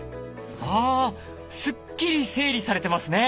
あスッキリ整理されてますね。